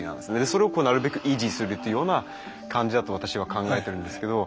それをなるべく維持するというような感じだと私は考えてるんですけど。